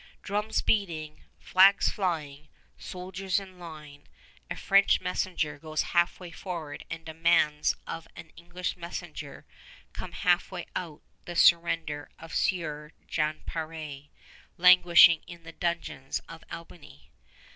Drums beating, flags flying, soldiers in line, a French messenger goes halfway forward and demands of an English messenger come halfway out the surrender of Sieur Jan Peré, languishing in the dungeons of Albany.